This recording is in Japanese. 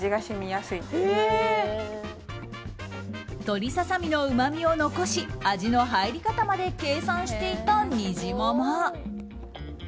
鶏ささみのうまみを残し味の入り方まで計算していたにじまま。